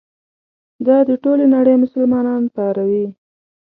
دا د ټولې نړۍ مسلمانان پاروي.